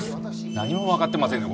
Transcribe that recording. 何も分かってませんね